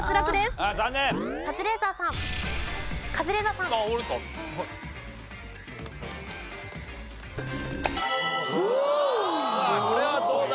さあこれはどうだ？